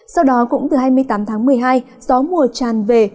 sau đó cũng từ hai mươi tám tháng một mươi hai gió mùa tràn về